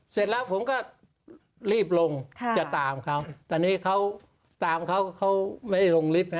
เสร็จแล้วผมก็รีบลงจะตามเขาตอนนี้เขาตามเขาเขาไม่ลงลิฟต์นะ